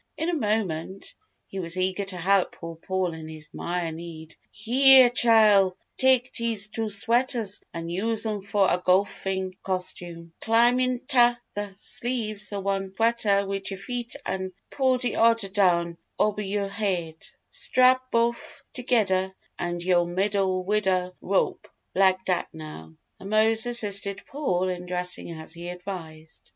In a moment, he was eager to help poor Paul in his "mire" need. "Heah, Chile, tak' dese two sweaters an' use 'em fo' a go'fing costume. Clim' inta th' sleeves ov one sweater wid yur feet an' pull de' odder down obber yo' haid. Strap bof' togedder about yo' middle wid'da rope lik' dat, now!" And Mose assisted Paul in dressing as he advised.